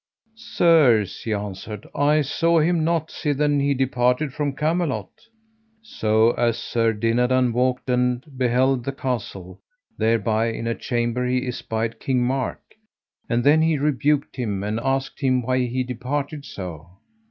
Sirs, he answered, I saw him not sithen he departed from Camelot. So as Sir Dinadan walked and beheld the castle, thereby in a chamber he espied King Mark, and then he rebuked him, and asked him why he departed so.